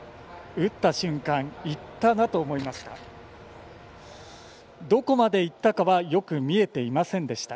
打った瞬間、いったなと思いました。